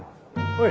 おい。